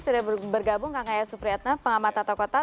sudah bergabung kak yaya supriyatna pengamatan toko